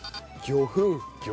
魚粉。